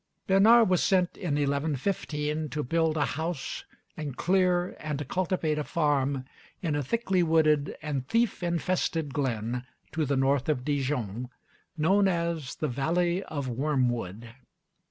Bernard was sent in 1115 to build a house and clear and cultivate a farm in a thickly wooded and thief infested glen to the north of Dijon, known as the Valley of Wormwood.